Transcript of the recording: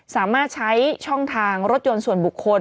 สามารถใช้ช่องทางรถยนต์ส่วนบุคคล